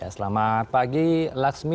selamat pagi laksmi